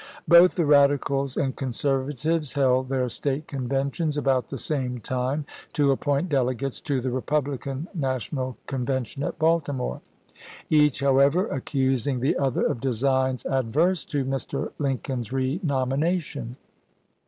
Both the Radicals and Conservatives held chap. xx. their State Conventions about the same time to appoint delegates to the Republican National Con vention at Baltimore ; each, however, accusing the other of designs adverse to Mr. Lincoln's reuomi nation.